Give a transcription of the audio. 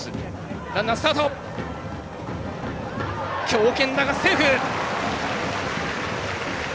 強肩だが、セーフ！